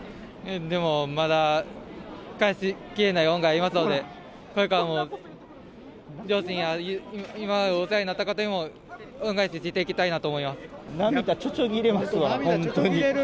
でもまだ返しきれない恩がありますので、これからも両親や今までお世話になった方にも恩返ししていきたい涙ちょちょぎれますわ。